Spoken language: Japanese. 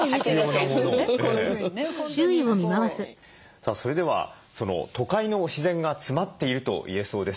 さあそれでは都会の自然が詰まっていると言えそうです。